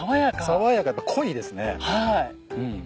爽やかやっぱ濃いですね。